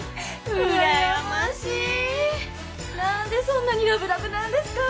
何でそんなにラブラブなんですか？